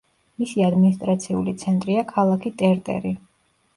მისი ადმინისტრაციული ცენტრია ქალაქი ტერტერი.